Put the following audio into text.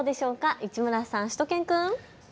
市村さん、しゅと犬くん。